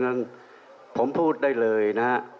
งั้นผมพูดได้เลยนะฮะ